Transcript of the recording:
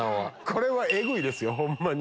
これはエグいですよホンマに。